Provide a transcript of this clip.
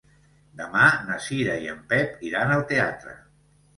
Demà na Cira i en Pep iran al teatre.